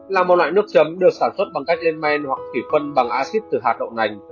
là một loại nước chấm được sản xuất bằng cách lên men hoặc thủy phân bằng acid từ hạt đậu nành